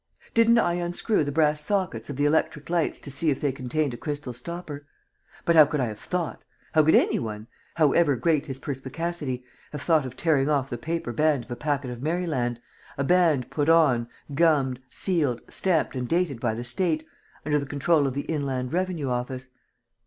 Didn't I unscrew the brass sockets of the electric lights to see if they contained a crystal stopper? But how could I have thought, how could any one, however great his perspicacity, have thought of tearing off the paper band of a packet of Maryland, a band put on, gummed, sealed, stamped and dated by the State, under the control of the Inland Revenue Office?